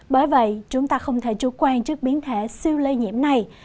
bởi vậy chúng ta không thể chủ quan trước biến thể siêu lây nhiễm này